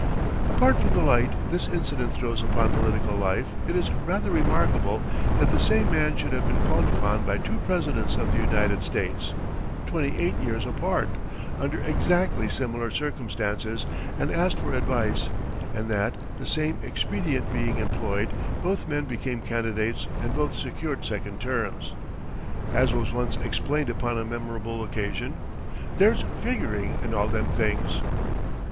Apart from the light this incident throws upon political life, it is rather remarkable that the same man should have been called upon by two presidents of the United States, twenty eight years apart, under exactly similar circumstances and asked for advice, and that, the same expedient being employed, both men became candidates and both secured second terms. As was once explained upon a memorable occasion: "There's figuring in all them things."